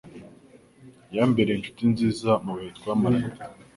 Yambereye inshuti nziza mubihe twamaranye.